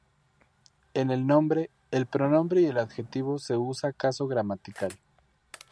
En el nombre, el pronombre y el adjetivo se usa caso gramatical.